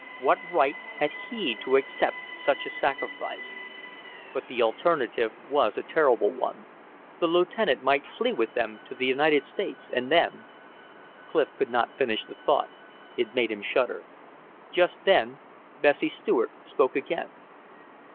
What right had he to accept such a sacrifice? But the alternative was a terrible one. The lieutenant might flee with them to the United States; and then Clif could not finish the thought; it made him shudder. Just then Bessie Stuart spoke again.